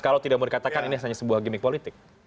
kalau tidak mau dikatakan ini hanya sebuah gimmick politik